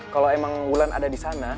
kalo emang bulan ada disana